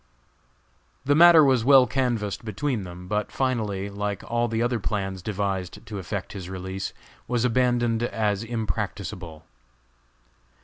The matter was well canvassed between them, but finally, like all the other plans devised to effect his release, was abandoned as impracticable.